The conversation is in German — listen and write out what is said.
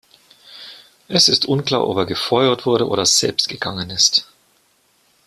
Es ist unklar, ob er gefeuert wurde oder selbst gegangen ist.